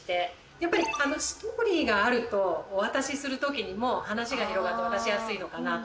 やっぱりストーリーがあるとお渡しする時にも話が広がって渡しやすいのかなと。